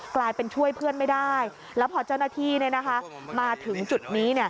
กลายเป็นช่วยเพื่อนไม่ได้แล้วพอเจ้าหน้าที่มาถึงจุดนี้